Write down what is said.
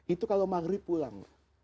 itu kalau maghrib pulang